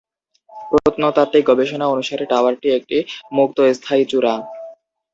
প্রত্নতাত্ত্বিক গবেষণা অনুসারে, টাওয়ারটি একটি মুক্ত-স্থায়ী চূড়া।